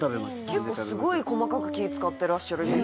結構すごい細かく気ぃ使ってらっしゃるイメージ